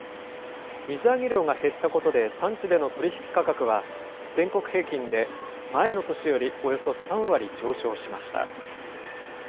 水揚げ量が減ったことで、産地での取り引き価格は、全国平均で前の年よりおよそ３割上昇しました。